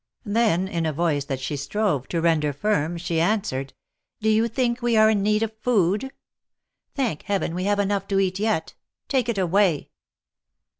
Then, in a voice that she strove to render firm, she answered :" Do you think we are in need of food ? Thank Heaven, we have enough to eat yet. Take it away."